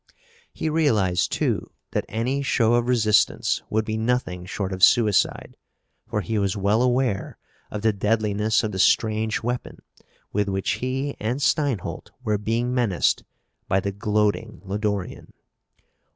He realized, too, that any show of resistance would be nothing short of suicide, for he was well aware of the deadliness of the strange weapon with which he and Steinholt were being menaced by the gloating Lodorian.